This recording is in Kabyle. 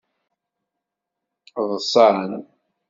Ḍsan.